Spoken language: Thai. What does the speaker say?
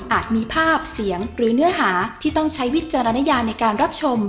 มีภาพเสียงหรือเนื้อหาที่ต้องใช้วิจารณญาในการรับชม